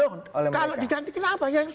kalau diganti kenapa